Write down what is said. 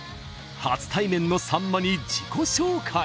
初対面のさんまに自己紹介。